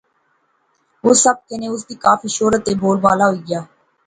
اس سب کنے اس نی کافی شہرت تہ ناں بول ہوئی گیا